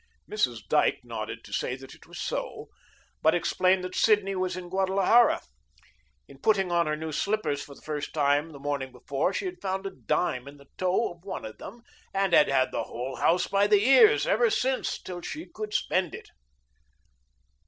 Mrs. Dyke nodded to say that it was so, but explained that Sidney was in Guadalajara. In putting on her new slippers for the first time the morning before, she had found a dime in the toe of one of them and had had the whole house by the ears ever since till she could spend it.